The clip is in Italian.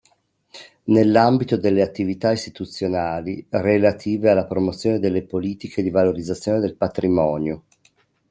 Nell'ambito delle attività istituzionali relative alla promozione delle politiche di valorizzazione del patrimonio.